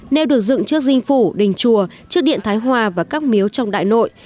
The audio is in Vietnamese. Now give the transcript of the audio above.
nêu được dựng trước dinh phủ đình chùa trước điện thái hòa và các miếu trong đại nội